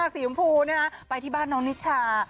สีภูมินะคะไปที่บ้านน้องนิชชา